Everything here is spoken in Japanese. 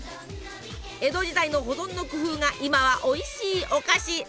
江戸時代の保存の工夫が今はおいしいお菓子。